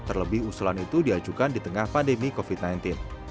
terlebih usulan itu diajukan di tengah pandemi covid sembilan belas